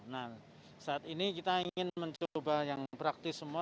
nah saat ini kita ingin mencoba yang praktis semua